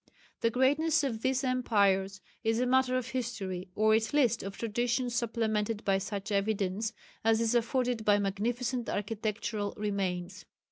The greatness of these empires is a matter of history, or at least of tradition supplemented by such evidence as is afforded by magnificent architectural remains.